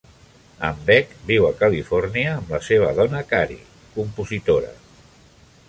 En Beck viu a Califòrnia amb la seva dona Cari, compositora.